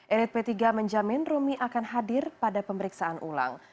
elit p tiga menjamin romi akan hadir pada pemeriksaan ulang